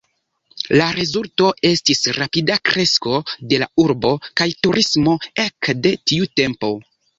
La rezulto estis rapida kresko de la urbo kaj turismo ek de tiu tempo.